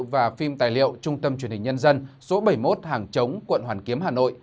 và phim tài liệu trung tâm truyền hình nhân dân số bảy mươi một hàng chống quận hoàn kiếm hà nội